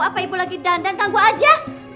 apa ibu lagi dandan tangguh aja